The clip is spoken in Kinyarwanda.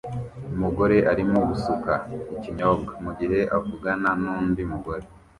Umugore arimo gusuka ikinyobwa mugihe avugana nundi mugore